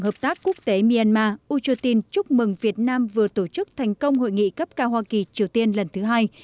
hợp tác quốc tế myanmar u chú tin chúc mừng việt nam vừa tổ chức thành công hội nghị cấp cao hoa kỳ triều tiên lần thứ hai